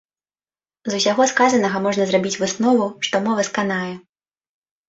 З усяго сказанага можна зрабіць выснову, што мова сканае.